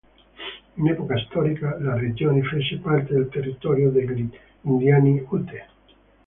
In epoca storica la regione fece parte del territorio degli indiani Ute.